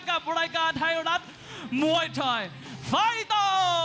กับรายการไทยรัฐมวยไทยไฟเตอร์